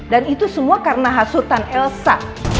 dan itu semua karena hasutan elsa